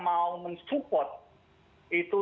mau mendukung itu